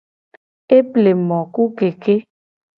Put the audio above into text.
Eple mo ku keke.